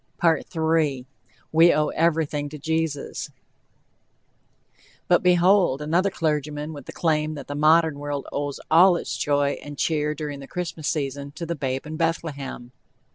"WE OWE EVERYTHING TO JESUS" But, behold! another clergyman with the claim that the modern world owes all its joy and cheer, during the Christmas season, "to the babe in Bethlehem."